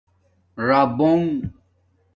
رَابوبنگ